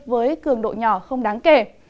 với cường độ nhỏ không đáng kể